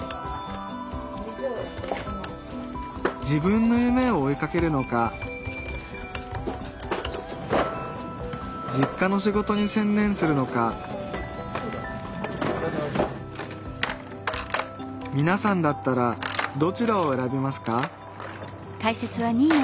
自分の夢を追いかけるのか実家の仕事に専念するのかみなさんだったらどちらを選びますか？